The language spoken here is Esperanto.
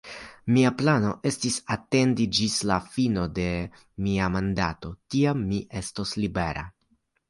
Mia plano estis atendi ĝis la fino de mia mandato, tiam mi estos libera.